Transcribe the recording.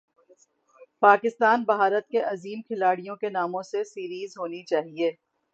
پاکستان بھارت کے عظیم کھلاڑیوں کے ناموں سے سیریز ہونی چاہیے